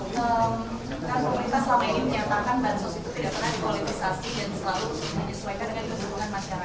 kan pemerintah selama ini menyatakan bansos itu tidak pernah dipolitisasi dan selalu menyesuaikan dengan kebutuhan masyarakat